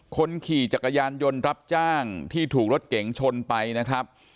คนขี่จักรยานยนต์รับจ้างที่ถูกรถเก๋งชนไปนะครับ